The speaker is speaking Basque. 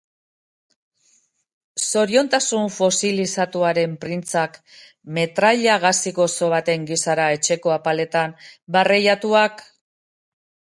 Zoriontasun fosilizatuaren printzak metraila gazi-gozo baten gisara etxeko apaletan barreiatuak?